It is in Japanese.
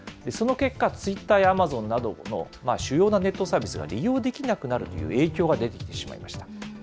その結果、ツイッターやアマゾンなどの主要なネットサービスが利用できなくなるという影響が出てしまいました。